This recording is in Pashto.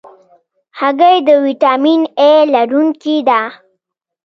هګۍ د ویټامین A لرونکې ده.